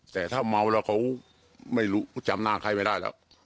แต่ถ้าเมาแล้วเขาไม่รู้จำหน้าใครไม่ได้แล้ว